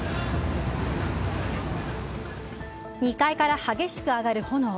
２階から激しく上がる炎。